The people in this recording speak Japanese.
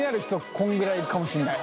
こんぐらいかもしんない。